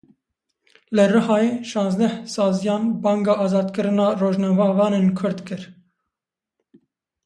Li Rihayê şazdeh saziyan banga azadkirina rojnamevanên Kurd kir.